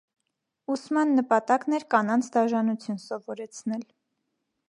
Ուսման նպատակն էր կանանց դաժանություն սովորեցնել։